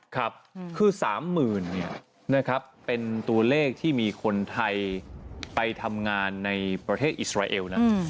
ครับคือ๓๐๐๐เนี่ยนะครับเป็นตัวเลขที่มีคนไทยไปทำงานในประเทศอิสราเอลนะ